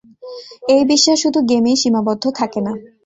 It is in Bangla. এই বিশ্বাস শুধু গেমেই সীমাবদ্ধ থাকে না।